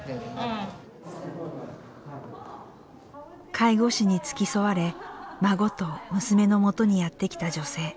介護士に付き添われ孫と娘のもとにやってきた女性。